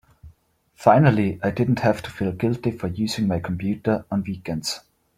Finally I didn't have to feel guilty for using my computer on weekends.